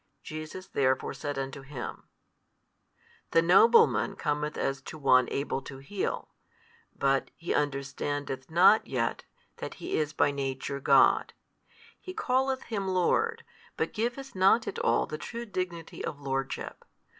Jesus therefore said unto him, The nobleman cometh as to One able to heal, but he |233 understandeth not yet that He is by Nature God: he calleth Him Lord, but giveth not at all the true dignity of Lordship.